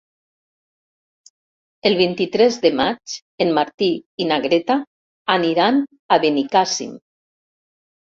El vint-i-tres de maig en Martí i na Greta aniran a Benicàssim.